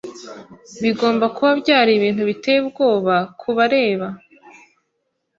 Bigomba kuba byari ibintu biteye ubwoba kubareba.